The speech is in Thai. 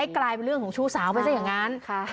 ให้กลายเป็นเรื่องของชู้สาวไปซะอย่างนั้น